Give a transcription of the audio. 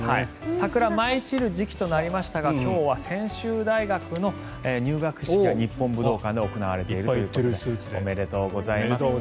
桜舞い散る時期となりましたが今日は専修大学の入学式が日本武道館で行われているということでおめでとうございます。